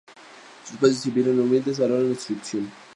Sus padres, si bien eran humildes, valoraban la instrucción.